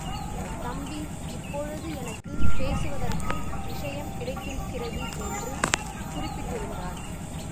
தம்பி, இப்பொழுது எனக்கு பேசுவதற்கு விஷயம் கிடைத்திருக்கிறது என்று குறிப்பிட்டிருந்தார்.